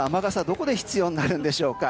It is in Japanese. どこで必要になるでしょうか。